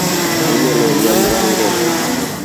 Umeloliya mrango.